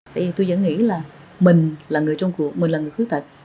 tại vì tôi vẫn nghĩ là mình là người trong cuộc mình là người khuyết tật